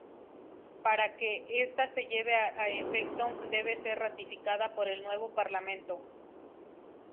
Para que esta se lleve a efecto, debe ser ratificada por el nuevo parlamento.